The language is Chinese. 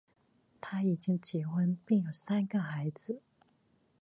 他已经结婚并有三个孩子。